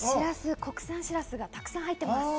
国産しらすがたくさん入ってます。